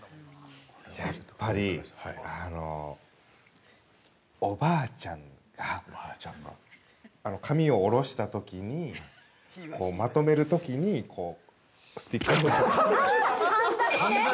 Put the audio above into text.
◆やっぱり、おばあちゃんが、髪を下ろしたときにまとめるときに、スティック。